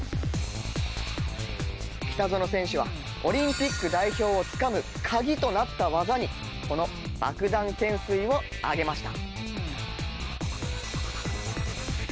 北園選手はオリンピック代表をつかむ鍵となった技にこのバクダン懸垂を挙げました。